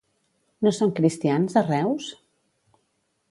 No són cristians, a Reus?